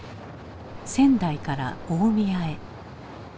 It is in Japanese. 仙台から大宮へ。